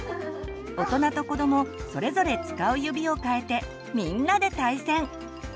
大人と子どもそれぞれ使う指を変えてみんなで対戦！